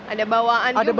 ada bawaan juga mungkin